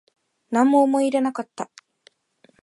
なんも思い入れなかった